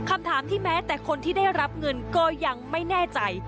คำถามที่แม้แต่คนที่ได้รับเงินก็ยังไม่แน่ใจ